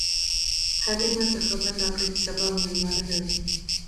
هغې ما ته خبر راکړ چې سبا به مېلمانه لرو